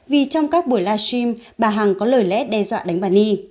vì trong các buổi live stream bà hằng có lời lẽ đe dọa đánh bà nhi